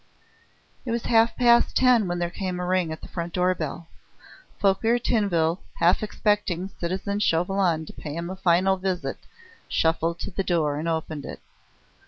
It was half past ten when there came a ring at the front door bell. Fouquier Tinville, half expecting citizen Chauvelin to pay him a final visit, shuffled to the door and opened it.